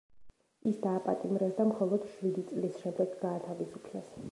ის დააპატიმრეს და მხოლოდ შვიდი წლის შემდეგ გაათავისუფლეს.